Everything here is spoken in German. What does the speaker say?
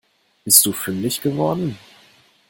Bist du fündig geworden?